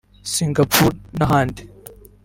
Singapour n’ahandi